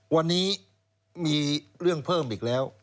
วันนี้มีเรื่องเพิ่มอีกแล้ว